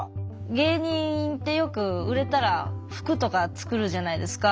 芸人ってよく売れたら服とか作るじゃないですか。